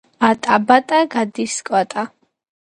ატა, ბატა გადის კვატა.